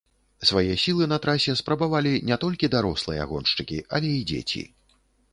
Свае сілы на трасе спрабавалі не толькі дарослыя гоншчыкі, але і дзеці.